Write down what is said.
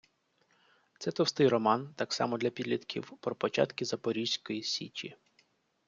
Це товстий роман, так само для підлітків, про початки Запорізької січі.